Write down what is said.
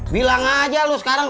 bilang aja lo sekarang